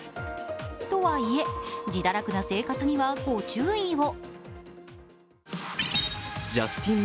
とはいえ、自堕落な生活には御注意を。